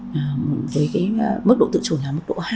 và với cái mức độ tự chủ là mức độ hai